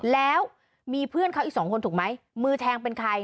แล้วมีเพื่อนเขาอีกสองคนถูกไหมมือแทงเป็นใคร